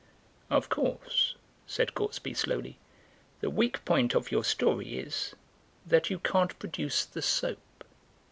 "Of course," said Gortsby slowly, "the weak point of your story is that you can't produce the soap."